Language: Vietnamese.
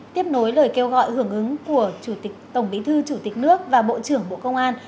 tiếp nối lời kêu gọi hưởng ứng của chủ tịch tổng bí thư chủ tịch nước và bộ trưởng bộ công an